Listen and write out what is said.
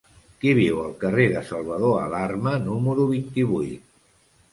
Qui viu al carrer de Salvador Alarma número vint-i-vuit?